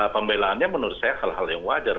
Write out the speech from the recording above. pembelaannya menurut saya hal hal yang wajar